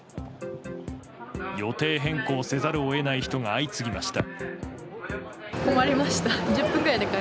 予定変更せざるを得ない人が相次ぎました。